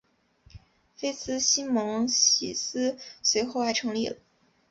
菲茨西蒙斯随后还成立了。